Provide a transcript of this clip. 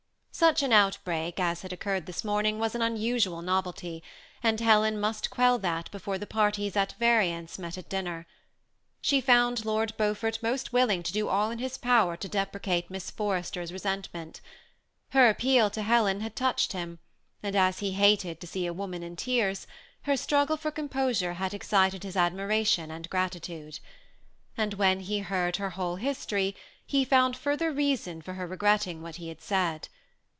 Such an outbreak as had occurred this morning was an unusual novelty ; and Helen must quell that, before the parties at variance met at dinner. She found Lord Beaufort most willing to do all in his power to deprecate Miss Forrester's resentment : her appeal to Helen had touched him, and as he hated to see a woman in tears, 8* 178 THE SEMI ATTACHED COUPLE. her struggle for composure had excited his admiration and gratitude. And when he heard her whole history, he found further reason for regretting what he had said.